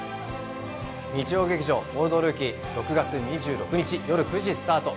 日曜劇場「オールドルーキー」６月２６日よる９時スタート